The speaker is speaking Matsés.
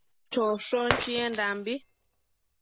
choshon chiendambi